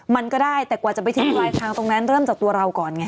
มันก็ได้แต่กว่าจะไปทิ้งปลายทางตรงนั้นเริ่มจากตัวเราก่อนไง